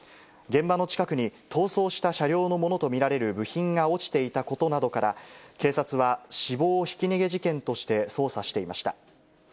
現場の近くに逃走した車両のものと見られる部品が落ちていたことなどから、警察は、死亡ひき逃げ事件として捜査していました。